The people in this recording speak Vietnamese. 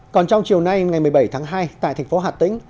còn trong chiều nay ngày một mươi bảy tháng hai tại thành phố hà tĩnh